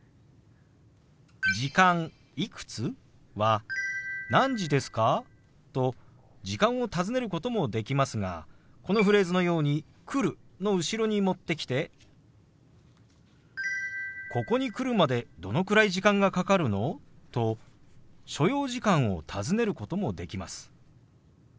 「時間いくつ？」は「何時ですか？」と時間を尋ねることもできますがこのフレーズのように「来る」の後ろに持ってきて「ここに来るまでどのくらい時間がかかるの？」と所要時間を尋ねることもできます。